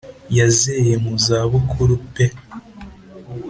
yazeye muza bukuru pe